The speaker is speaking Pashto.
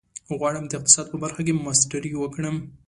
غواړم د اقتصاد په برخه کې ماسټري وکړم.